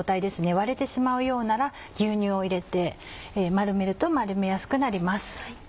割れてしまうようなら牛乳を入れて丸めると丸めやすくなります。